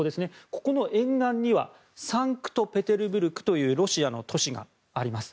ここの沿岸にはサンクトペテルブルクというロシアの都市があります。